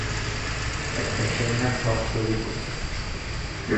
একটা seminar talk তৈরি করছি।